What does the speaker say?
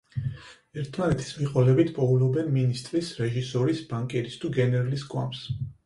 ერთმანეთის მიყოლებით პოულობენ მინისტრის, რეჟისორის, ბანკირის თუ გენერლის გვამს.